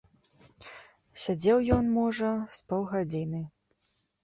Сядзеў ён, можа, з паўгадзіны.